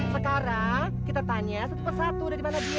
sekarang kita tanya satu persatu dari mana dia